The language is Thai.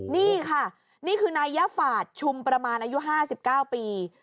นี่ค่ะนี่คือนายยะฝาดชุมประมาณอายุ๕๙ปี